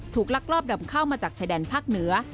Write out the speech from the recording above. ลักลอบนำเข้ามาจากชายแดนภาคเหนือ